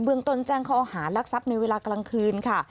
เมืองต้นแจ้งข้อหารักทรัพย์ในเวลากลางคืนค่ะ